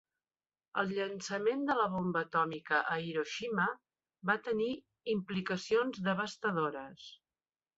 El llançament de la bomba atòmica a Hiroshima va tenir implicacions devastadores.